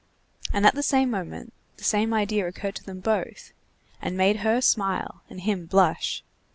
And at the same moment the same idea occurred to them both, and made her smile and him blush.